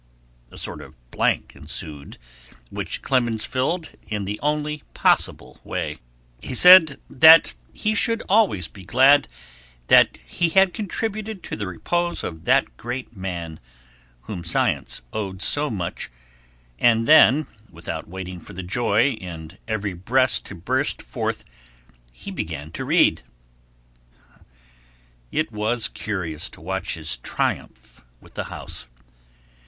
A sort of blank ensued which Clemens filled in the only possible way. He said he should always be glad that he had contributed to the repose of that great man, whom science owed so much, and then without waiting for the joy in every breast to burst forth, he began to read. It was curious to watch his triumph with the house.